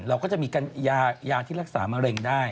เราก็จะมียาที่รักษามะเร็งได้